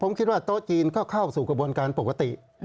ผมคิดว่าโต๊ะจีนก็เข้าสู่กระบวนการปกติ